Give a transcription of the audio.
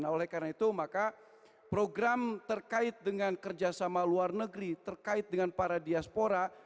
nah oleh karena itu maka program terkait dengan kerjasama luar negeri terkait dengan para diaspora